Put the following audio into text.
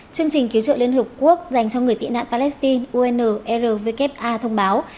chương trình cứu trợ liên hợp quốc dành cho người tị nạn palestine unrwk thông báo